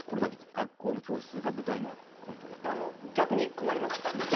学校の教室が舞台のコントをやって頂く。